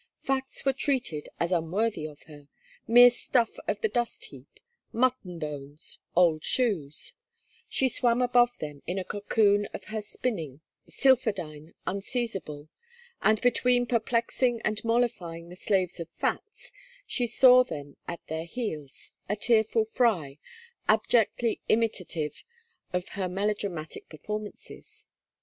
Facts were treated as unworthy of her; mere stuff of the dustheap, mutton bones, old shoes; she swam above them in a cocoon of her spinning, sylphidine, unseizable; and between perplexing and mollifying the slaves of facts, she saw them at their heels, a tearful fry, abjectly imitative of her melodramatic performances.